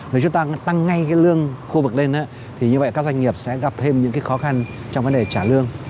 nếu chúng ta tăng ngay cái lương khu vực lên thì như vậy các doanh nghiệp sẽ gặp thêm những cái khó khăn trong vấn đề trả lương